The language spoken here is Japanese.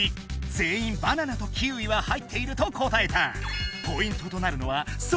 全員バナナとキウイは入っていると答えた。